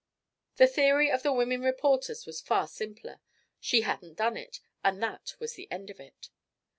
The theory of the women reporters was far simpler. She hadn't done it and that was the end of it.